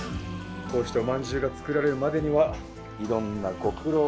こうしておまんじゅうが作られるまでにはいろんなご苦労があったんですね。